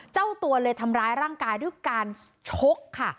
เจ้าตัวเลยทำร้ายร่างกายด้วยการชกค่ะ